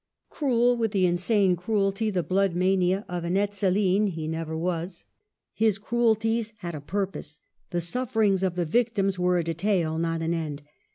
Cruel, with the insane cruelty, the blood mania of an Ezzelin, he never was ; his cruelties had a purpose ; the sufferings of the victims were a de tail, not an end.